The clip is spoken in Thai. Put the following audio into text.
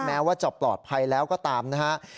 แม้ว่าจะปลอดภัยแล้วก็ตามนะครับ